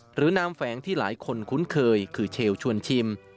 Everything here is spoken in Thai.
นามแฝงที่หลายคนคุ้นเคยคือเชลชวนชิม